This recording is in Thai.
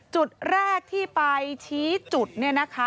จุดแรกที่ไปชี้จุดนะคะ